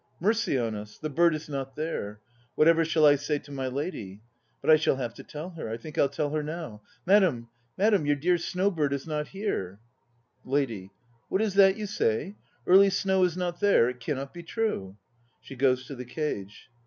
Mercy on us, the bird is not there! Whatever shall I say to my lady? But I shall have to tell her. I think I'll tell her now. Madam, madam, your dear Snow bird is not here! LADY. What is that you say? Early Snow is not there? It cannot be true. (She goes to the cage.)